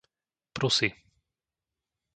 Prusy